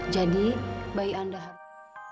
jadi bayi anda harus